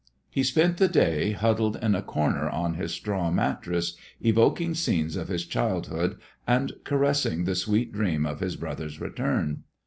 He spent the day huddled in a corner on his straw mattress, evoking scenes of his childhood and caressing the sweet dream of his brother's return.